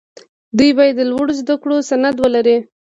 دوی باید د لوړو زدکړو سند ولري.